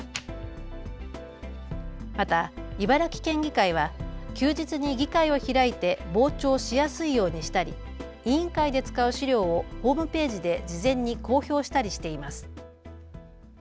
また茨城県議会は休日に議会を開いて傍聴しやすいようにしたり委員会で使う資料をホームページで事前に公表したりしています。